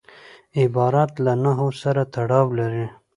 عبارت له نحو سره تړاو لري.